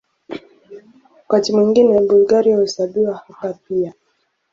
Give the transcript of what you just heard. Wakati mwingine Bulgaria huhesabiwa hapa pia.